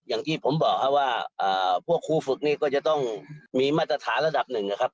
อย่างที่ผมบอกครับว่าพวกครูฝึกนี่ก็จะต้องมีมาตรฐานระดับหนึ่งนะครับ